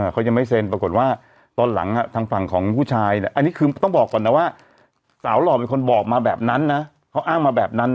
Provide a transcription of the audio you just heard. เขายังไม่เซ็นปรากฏว่าตอนหลังทางฝั่งของผู้ชายเนี่ยอันนี้คือต้องบอกก่อนนะว่าสาวหล่อเป็นคนบอกมาแบบนั้นนะเขาอ้างมาแบบนั้น